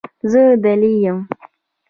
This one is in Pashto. زه دلې یم.